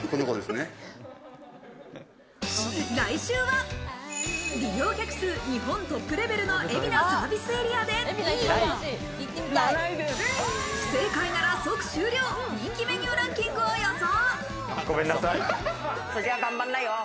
来週は、利用客数日本トップレベルの海老名サービスエリアで不正解なら即終了、人気メニューランキングを予想。